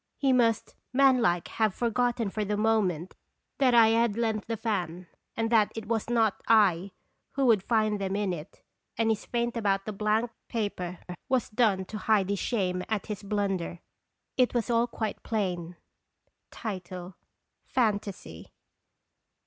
He must, man like, have forgotten for the moment that I had lent the fan, and that it was not I who would find them in it, and his feint about the blank "l)e Qetorib OTarfc toins." 257 paper was done to hide his shame at his blunder. It was all quite plain) : A FANTASY.